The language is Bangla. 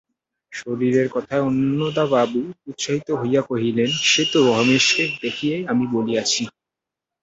শরীরের কথায় অন্নদাবাবু উৎসাহিত হইয়া কহিলেন, সে তো রমেশকে দেখিয়াই আমি বলিয়াছি।